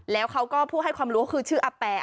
แล้วเขาก็ผู้ให้ความรู้คือชื่ออาแป